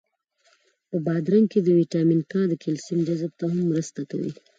په بادرنګ کی ویټامین کا د کلسیم جذب ته هم مرسته کوي.